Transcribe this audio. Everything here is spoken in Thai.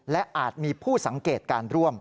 และอาจมีผู้สังเกตการร่วม